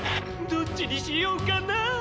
「どっちにしようかな」。